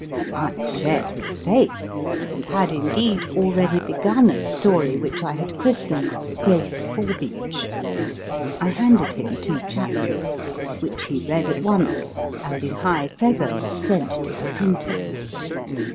I shared his faith, and had, indeed, already begun a story which I had christened Grace Forbeach. I handed him two chapters, which he read at once, and, in high feather, sent to the printer.